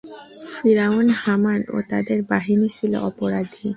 ফিরআউন, হামান ও তাদের বাহিনী ছিল অপরাধী।